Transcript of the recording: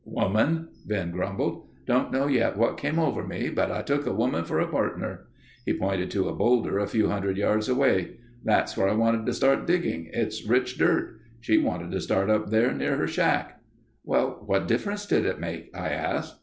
"Woman," Ben grumbled. "Don't know yet what come over me, but I took a woman for a partner." He pointed to a boulder a few hundred yards away. "There's where I wanted to start digging. It's rich dirt. She wanted to start up there near her shack." "Well, what difference did it make?" I asked.